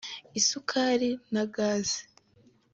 isukari na gaz